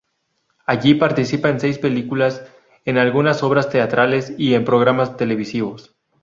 Allí participa en seis películas, en algunas obras teatrales y en programas televisivos.